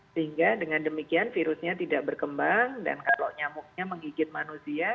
sehingga dengan demikian virusnya tidak berkembang dan kalau nyamuknya menggigit manusia